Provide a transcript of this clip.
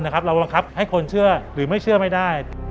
เราบังคับให้คนเชื่อหรือไม่เชื่อไม่ได้